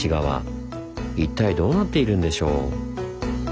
一体どうなっているんでしょう？